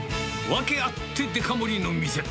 訳あってデカ盛りの店。